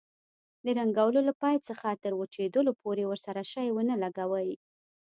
د رنګولو له پای څخه تر وچېدلو پورې ورسره شی ونه لګوئ.